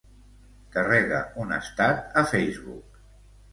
Carrega un estat a Facebook.